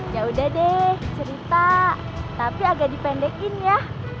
ya udah deh cerita tapi agak dipendekin ya